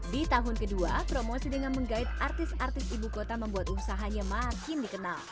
di tahun kedua promosi dengan menggait artis artis ibu kota membuat usahanya makin dikenal